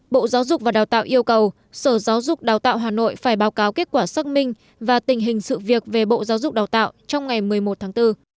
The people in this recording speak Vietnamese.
bộ giáo dục và đào tạo yêu cầu sở giáo dục đào tạo hà nội phải báo cáo kết quả xác minh và tình hình sự việc về bộ giáo dục đào tạo trong ngày một mươi một tháng bốn